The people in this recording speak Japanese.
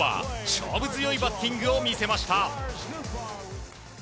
勝負強いバッティングを見せました。